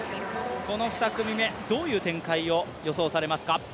この２組目、どういう展開を予想されますか？